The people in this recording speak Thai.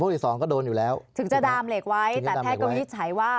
ถึงจะดามเหล็กไว้แต่แพทย์ก็ยิสูจน์ไว้ว่า